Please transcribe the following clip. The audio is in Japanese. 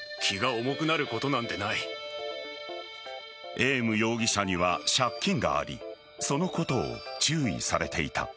エーム容疑者には借金がありそのことを注意されていた。